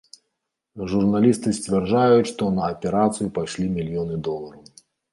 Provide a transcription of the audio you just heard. Журналісты сцвярджаюць, што на аперацыю пайшлі мільёны долараў.